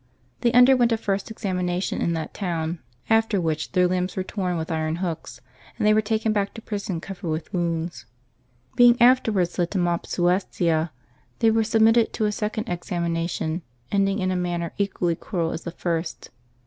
They underwent a first examina tion in that town, after which their limbs were torn with iron hooks, and they were taken back to prison covered with wounds. Being afterwards led to Mopsuestia, they were submitted to a second examination, ending in a man ner equally cruel as the first.